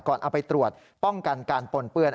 เอาไปตรวจป้องกันการปนเปื้อน